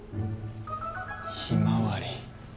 ひまわり。